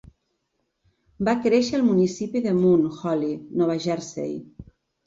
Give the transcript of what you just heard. Va créixer al municipi de Mount Holly, Nova Jersei.